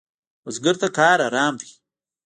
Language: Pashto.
بزګر ته کار آرام دی